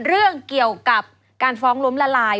เรื่องเกี่ยวกับการฟ้องล้มละลาย